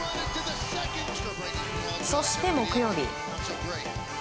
そして、木曜日。